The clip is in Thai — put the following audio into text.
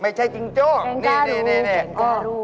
ไม่ใช่จิงโจ้นี่แกงกาดู